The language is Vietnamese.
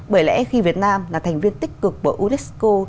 bởi lẽ khi việt nam là thành viên tích cực bởi unesco